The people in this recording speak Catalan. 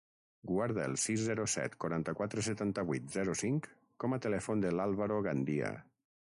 Guarda el sis, zero, set, quaranta-quatre, setanta-vuit, zero, cinc com a telèfon del Álvaro Gandia.